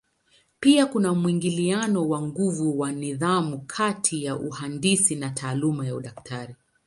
Pia kuna mwingiliano wa nguvu wa nidhamu kati ya uhandisi na taaluma ya udaktari.